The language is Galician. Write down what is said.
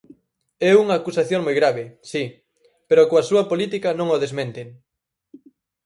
É unha acusación moi grave, si; pero coa súa política non o desmenten.